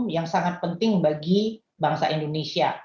yang sangat penting bagi bangsa indonesia